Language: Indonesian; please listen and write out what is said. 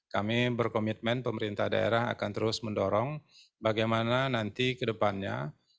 kami berkomitmen pemerintah daerah akan terus mendorong bagaimana nanti ke depannya